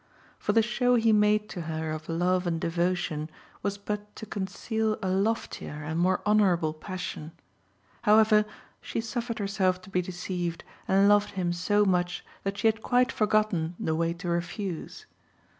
For the show he made to her of love and devotion was but to conceal a loftier and more honourable passion. However, she suffered herself to be deceived, and loved him so much that she had quite forgotten the way to refuse.